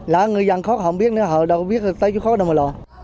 lỡ ngư dân khóc họ không biết nữa họ đâu có biết tới chỗ khóc đâu mà lò